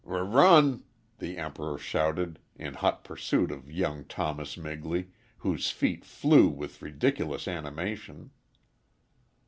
"R run!" the Emperor shouted, in hot pursuit of young Thomas Migley, whose feet flew with ridiculous animation.